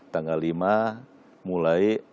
tanggal lima mulai empat belas